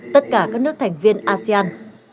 tất cả các nước thành viên asean